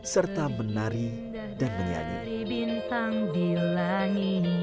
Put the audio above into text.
serta menari dan menyanyi